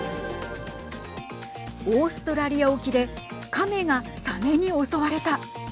オーストラリア沖で亀がさめに襲われた。